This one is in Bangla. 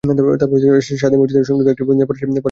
সাদী মসজিদে সংযুক্ত একটি ফরাসি শিলালিপি রয়েছে।